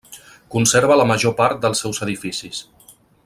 Conserva la major part dels seus edificis.